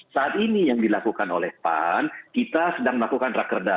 saat ini yang dilakukan oleh pan kita sedang melakukan rakerda